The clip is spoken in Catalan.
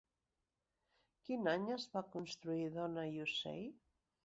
Quin any es va construir Dona i ocell?